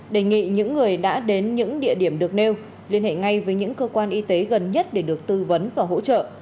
đề nghị những người đã đến những địa điểm được nêu liên hệ ngay với những cơ quan y tế gần nhất để được tư vấn và hỗ trợ